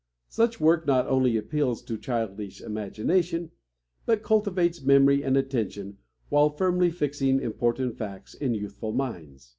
Such work not only appeals to childish imagination, but cultivates memory and attention while firmly fixing important facts in youthful minds.